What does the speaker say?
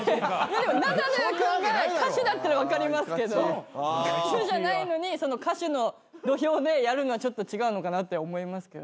でもナダル君が歌手だったら分かりますけど歌手じゃないのに歌手の土俵でやるのはちょっと違うのかなって思いますけどね。